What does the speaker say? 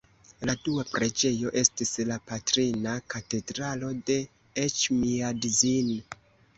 La dua preĝejo estis la Patrina Katedralo de Eĉmiadzin.